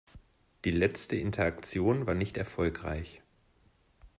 Die letzte Interaktion war nicht erfolgreich.